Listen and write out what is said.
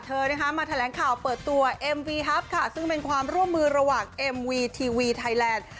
เธอนะคะมาแถลงข่าวเปิดตัวเอ็มวีฮัพค่ะซึ่งเป็นความร่วมมือระหว่างเอ็มวีทีวีไทยแลนด์